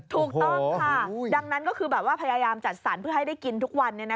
ถูกต้องค่ะดังนั้นก็คือแบบว่าพยายามจัดสรรเพื่อให้ได้กินทุกวัน